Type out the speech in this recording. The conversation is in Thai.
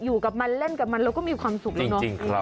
อยู่กับมันเล่นกับมันเราก็มีความสุขแล้วเนาะ